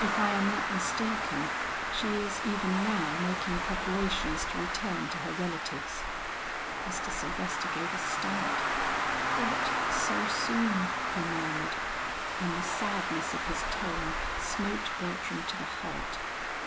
If I am not mistaken, she is even now making preparations to return to her relatives." Mr. Sylvester gave a start. "What, so soon!" he murmured, and the sadness of his tone smote Bertram to the heart.